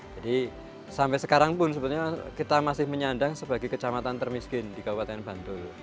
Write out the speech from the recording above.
jadi sampai sekarang pun kita masih menyandang sebagai kecamatan termiskin di kabupaten bantul